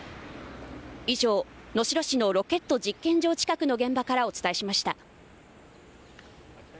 以上、能代市のロケット実験場近くの現場からお伝えしました。